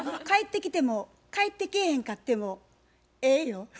帰ってきても帰ってけえへんかってもええよ。